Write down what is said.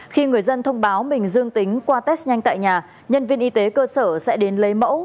khi người dân thông báo mình dương tính qua test nhanh tại nhà nhân viên y tế cơ sở sẽ đến lấy mẫu